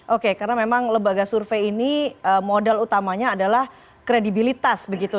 oke karena memang lembaga survei ini modal utamanya adalah kredibilitas begitu